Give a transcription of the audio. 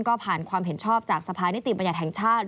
ก็ผ่านความเห็นชอบจากสภานิติบัญญัติแห่งชาติ